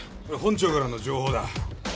これ本庁からの情報だ。